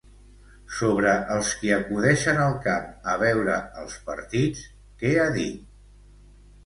Sobre els qui acudeixen al camp a veure els partits, què ha dit?